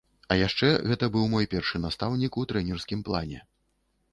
А яшчэ гэта быў мой першы настаўнік у трэнерскім плане.